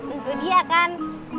itu dia kan